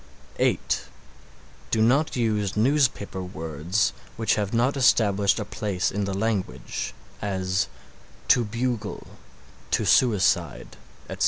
(8) Do not use newspaper words which have not established a place in the language as "to bugle"; "to suicide," etc.